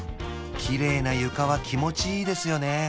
きれいな床は気持ちいいですよね